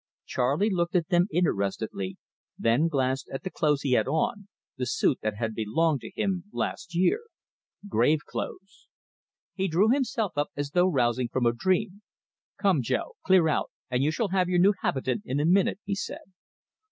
Charley looked at them interestedly, then glanced at the clothes he had on, the suit that had belonged to him last year grave clothes. He drew himself up as though rousing from a dream. "Come, Jo, clear out, and you shall have your new habitant in a minute," he said.